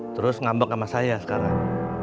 terus ngambek sama saya sekarang